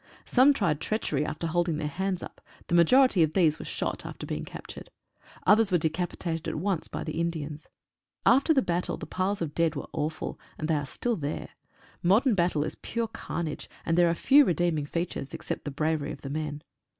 Some tried treachery after holding their hands up. The majority of these were shot after being cap tured. Others were decapitated at once by the Indians, after the battle the piles of dead were awful, and they are still there. Modern battle is pure carnage, and there are few redeeming features, except the bravery of the men.